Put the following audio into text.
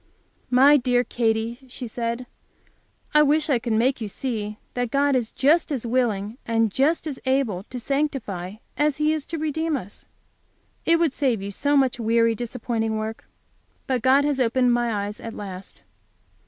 "My dear Katy," she said, "I wish I could make you see that God is just as willing, and just as able to sanctify, as He is to redeem us. It would save you so much weary, disappointing work. But God has opened my eyes at last."